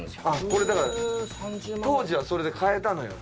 これだから当時はそれで買えたのよ。